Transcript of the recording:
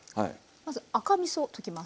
まず赤みそ溶きます。